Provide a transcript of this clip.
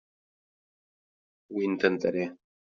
Ho intentaré.